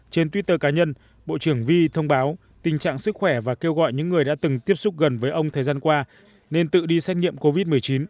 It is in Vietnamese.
trên twitter cá nhân bộ trưởng vi thông báo tình trạng sức khỏe và kêu gọi những người đã từng tiếp xúc gần với ông thời gian qua nên tự đi xét nghiệm covid một mươi chín